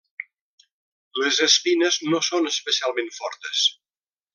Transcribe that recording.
Les espines no són especialment fortes.